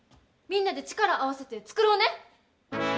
みんなで力合わせて作ろうね！